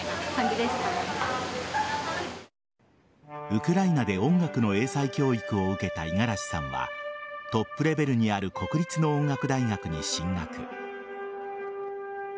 ウクライナで音楽の英才教育を受けた五十嵐さんはトップレベルにある国立の音楽大学に進学。